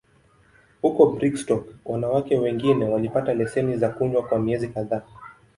Huko Brigstock, wanawake wengine walipata leseni za kunywa kwa miezi kadhaa.